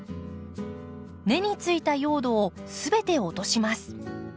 根についた用土を全て落とします。